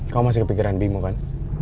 kamu masih kepikiran bimo kan